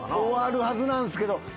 終わるはずなんすけど。